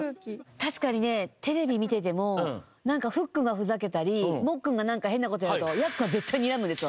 確かにねテレビ見ててもなんかふっくんがふざけたりもっくんがなんか変な事やるとやっくんは絶対にらむんですよ。